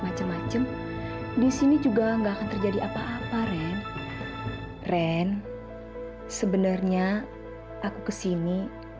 macam macam disini juga enggak terjadi apa apa ren ren sebenarnya aku kesini